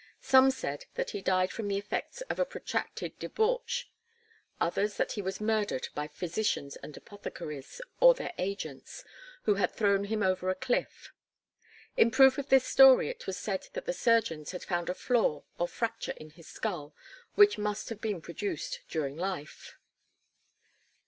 Some said that he died from the effects of a protracted debauch, others that he was murdered by physicians and apothecaries, or their agents, who had thrown him over a cliff. In proof of this story it was said that the surgeons had found a flaw or fracture in his skull which must have been produced during life.